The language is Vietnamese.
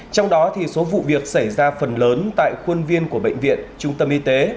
trong đó số vụ việc xảy ra phần lớn tại khuôn viên của bệnh viện trung tâm y tế